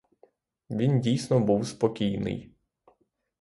Він дійсно був спокійний.